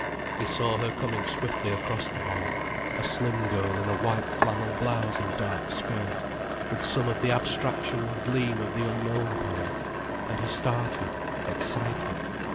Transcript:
He saw her coming swiftly across the hall, a slim girl in a white flannel blouse and dark skirt, with some of the abstraction and gleam of the unknown upon her, and he started, excited.